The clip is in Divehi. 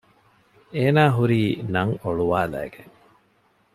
އޭނާ ހުރީ ނަން އޮޅުވާލައިގެން